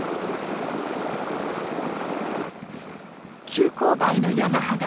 急勾配の山肌。